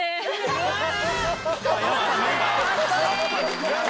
かっこいい。